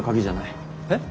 えっ？